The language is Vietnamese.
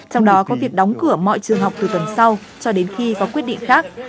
trong đó có việc đóng cửa mọi trường học từ tuần sau cho đến khi có quyết định khác